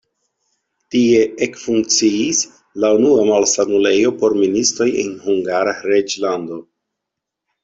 Tie ekfunkciis la unua malsanulejo por ministoj en Hungara reĝlando.